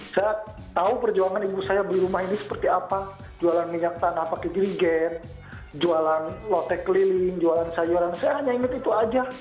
saya tahu perjuangan ibu saya beli rumah ini seperti apa jualan minyak tanah pakai girigen jualan lotek keliling jualan sayuran saya hanya inget itu aja